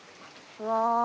うわ！